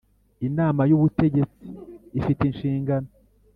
Inama y’ubutegetsi ifite inshingano